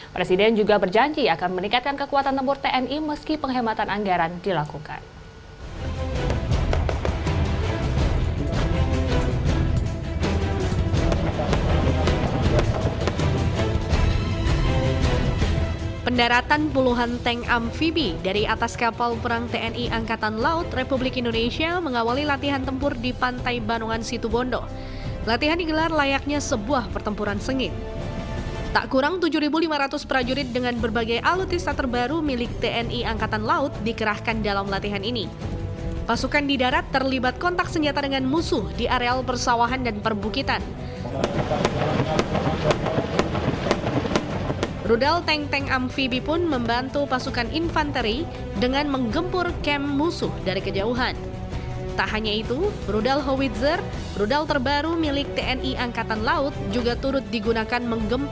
presiden juga berjanji akan meningkatkan kekuatan tempur tni meski penghematan anggaran dilakukan